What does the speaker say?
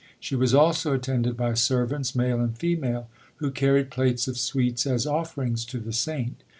She was also attended by servants male and female who carried plates of sweets as offerings to the saint.